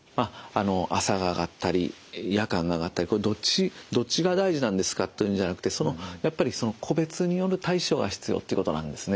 朝が上がったり夜間が上がったりどっちが大事なんですかというんじゃなくてやっぱりその個別による対処が必要ということなんですね。